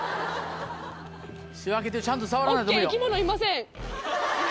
仕分けてちゃんと触らないと無理よ。